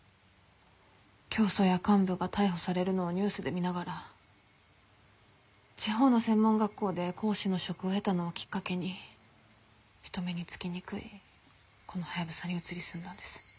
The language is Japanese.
教祖や幹部が逮捕されるのをニュースで見ながら地方の専門学校で講師の職を得たのをきっかけに人目につきにくいこのハヤブサに移り住んだんです。